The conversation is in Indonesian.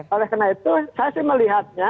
oleh karena itu saya sih melihatnya